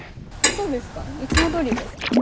そうですか？いつもどおりですけど。